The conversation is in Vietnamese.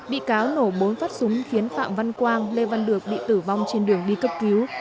bị cáo nổ bốn phát súng khiến phạm văn quang lê văn được bị tử vong trên đường đi cấp cứu